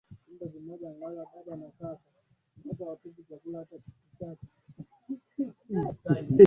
mbili juu ya athira na kipaumbele katika Korea na Manchuria Urusi ulishindwa hivyo ililazimika